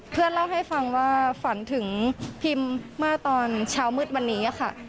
เพื่อนเล่าให้ฟังว่าฝันถึงพิมเมื่อตอนเช้ามืดวันนี้ค่ะ